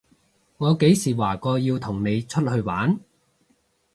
我幾時話過要同你出去玩？